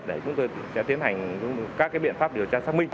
để chúng tôi sẽ tiến hành các biện pháp điều tra xác minh